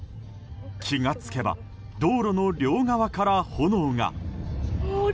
気が付けば道路の両側から炎が。